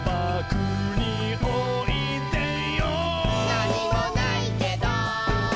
「なにもないけど」